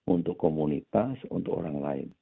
untuk komunitas untuk orang lain